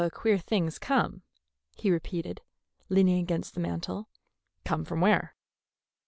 "A queer thing's come," he repeated, leaning against the mantel. "Come from where?"